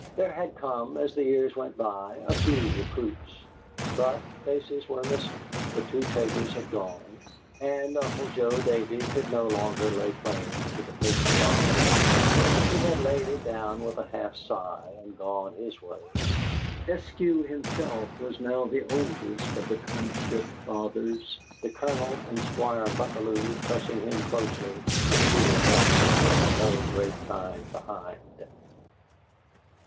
] There had come, as the years went by, a few recruits; but faces were missing: the two Tabors had gone, and Uncle Joe Davey could no longer lay claim to the patriarchship; he had laid it down with a half sigh and gone his way. Eskew himself was now the oldest of the conscript fathers, the Colonel and Squire Buckalew pressing him closely, with Peter Bradbury no great time behind.